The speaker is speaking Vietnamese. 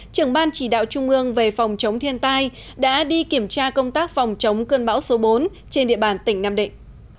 trưởng ban chỉ đạo trung ương về phòng chống thiên tai đã đi kiểm tra công tác phòng chống cơn bão số bốn trên địa bàn tỉnh nam định